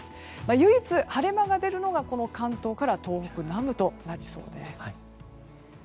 唯一晴れ間が出るのが関東から東北南部となりそうです。